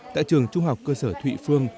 tại trường trung học cơ sở thụy phương